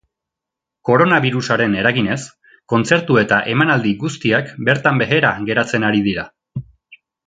Koronabirusaren eraginez, kontzertu eta emanaldi guztiak bertan behera geratzen ari dira.